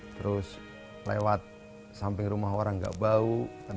terus lewat samping rumah orang gak bau